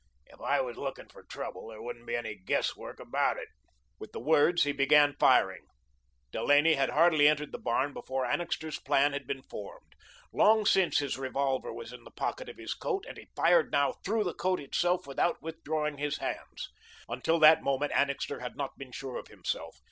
"If I was looking for trouble there wouldn't be any guess work about it." With the words he began firing. Delaney had hardly entered the barn before Annixter's plan had been formed. Long since his revolver was in the pocket of his coat, and he fired now through the coat itself, without withdrawing his hands. Until that moment Annixter had not been sure of himself.